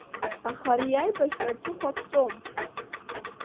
Аха ари аибашьра аҵыхәа ԥҵәом.